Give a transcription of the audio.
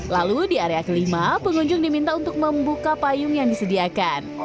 lalu di area kelima pengunjung diminta untuk membuka payung yang disediakan